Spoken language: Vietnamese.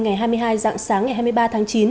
ngày hai mươi hai dạng sáng ngày hai mươi ba tháng chín